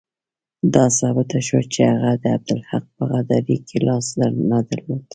دا ثابته شوه چې هغه د عبدالحق په غداري کې لاس نه درلود.